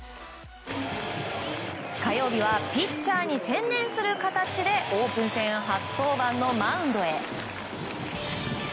火曜日はピッチャーに専念する形でオープン戦初登板のマウンドへ。